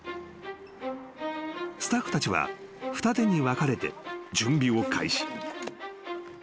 ［スタッフたちは二手に分かれて準備を開始］